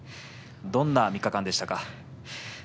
どんな３日間でしたか？